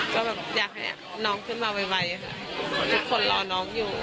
ก็แบบอยากให้น้องขึ้นมาไวค่ะทุกคนรอน้องอยู่